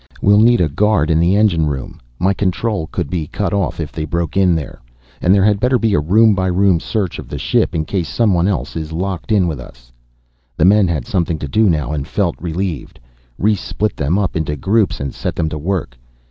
We'll need a guard in the engine room, my control could be cut if they broke in there. And there had better be a room by room search of the ship, in case someone else is locked in with us." The men had something to do now and felt relieved. Rhes split them up into groups and set them to work.